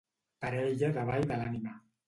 Parella de ball de l'ànima.